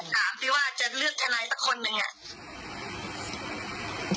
แล้วคนอย่างอาจจะเลือกทันัยสักคนหนึ่งอ่ะ